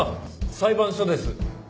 裁判所です。